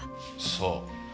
そう。